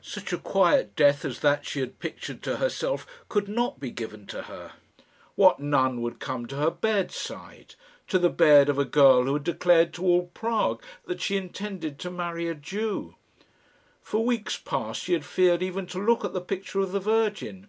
Such a quiet death as that she had pictured to herself could not be given to her! What nun would come to her bedside to the bed of a girl who had declared to all Prague that she intended to marry a Jew? For weeks past she had feared even to look at the picture of the Virgin.